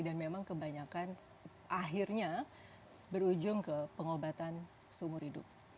dan memang kebanyakan akhirnya berujung ke pengobatan seumur hidup